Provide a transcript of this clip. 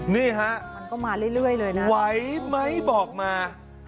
นี่ฮะไว้ไหมบอกมา